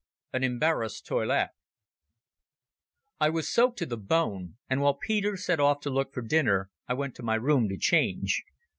An Embarrassed Toilet I was soaked to the bone, and while Peter set off to look for dinner I went to my room to change.